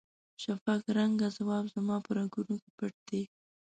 شفق رنګه ځواب زما په رګونو کې پټ دی.